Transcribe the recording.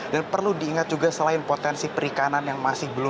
dan perlu diingat juga selain potensi perikanan yang masih belum